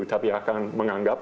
tapi akan menganggap